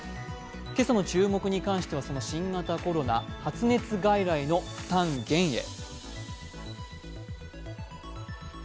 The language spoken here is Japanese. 今朝の注目に関しては新型コロナ、発熱外来の負担減へ。